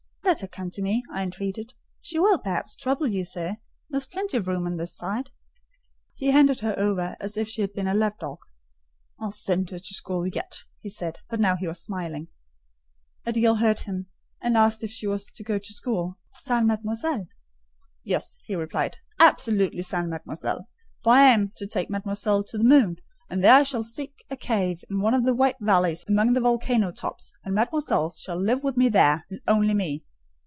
"Let her come to me," I entreated: "she will, perhaps, trouble you, sir: there is plenty of room on this side." He handed her over as if she had been a lapdog. "I'll send her to school yet," he said, but now he was smiling. Adèle heard him, and asked if she was to go to school "sans mademoiselle?" "Yes," he replied, "absolutely sans mademoiselle; for I am to take mademoiselle to the moon, and there I shall seek a cave in one of the white valleys among the volcano tops, and mademoiselle shall live with me there, and only me."